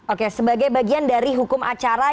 oke sebagai bagian dari hukum acara